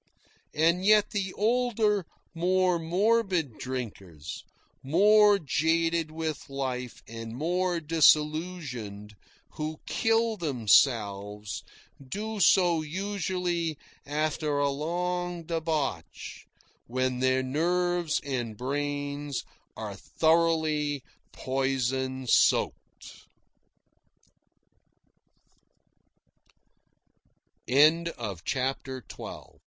And yet, the older, more morbid drinkers, more jaded with life and more disillusioned, who kill themselves, do so usually after a long debauch, when their nerves and brains are thoroughly poison soaked. CHAPTER XIII So I le